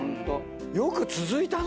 よく続いたね。